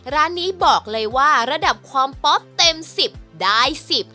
ร้านนี้บอกเลยว่าระดับความป๊อปเต็มสิบได้สิบ